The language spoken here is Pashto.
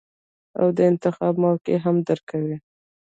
او د انتخاب موقع هم درکوي -